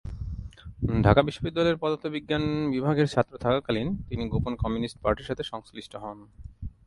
ঢাকা বিশ্ববিদ্যালয়ের পদার্থ বিজ্ঞান বিভাগের ছাত্র থাকা কালীন তিনি গোপন কমিউনিস্ট পার্টির সাথে সংশ্লিষ্ট হন।